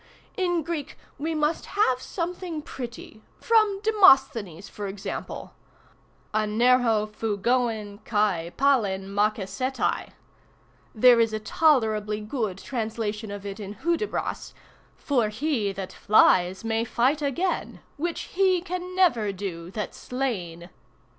"In Greek we must have some thing pretty—from Demosthenes, for example. Ανερο φευων και παλιν μαχεσεται. [Aner o pheugoen kai palin makesetai.] There is a tolerably good translation of it in Hudibras— 'For he that flies may fight again, Which he can never do that's slain.